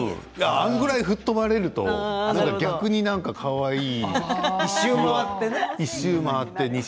あれくらい吹っ飛ばれると逆にかわいい。